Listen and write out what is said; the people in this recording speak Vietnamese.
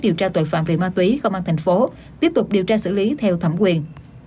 điều tra tội phạm về ma túy công an thành phố tiếp tục điều tra xử lý theo thẩm quyền